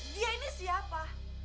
dia ini siapa